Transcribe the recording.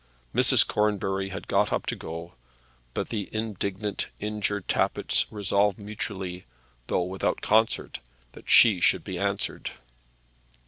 Mrs. Cornbury had got up to go, but the indignant, injured Tappitts resolved mutually, though without concert, that she should be answered.